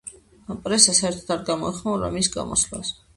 პრესა საერთოდ არ გამოეხმაურა მის გამოსვლას.